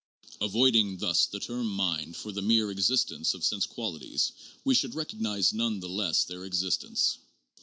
Avoiding thus the term mind for the mere existence of sense qualities, we should recognize none the less their existence.